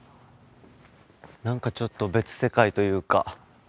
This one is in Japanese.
何かちょっと別世界というか。